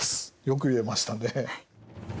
よく言えましたね。